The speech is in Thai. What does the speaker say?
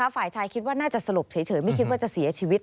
ฝ่ายชายคิดว่าน่าจะสลบเฉยไม่คิดว่าจะเสียชีวิต